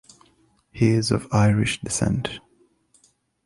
He is of Irish descent.